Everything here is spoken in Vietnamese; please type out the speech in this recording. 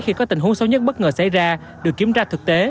khi có tình huống xấu cháy đều được kiểm tra